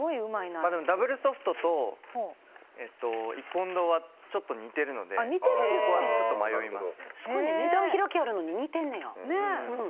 ダブルソフトと一本堂はちょっと似てるので値段、開きあるのに似てんねや。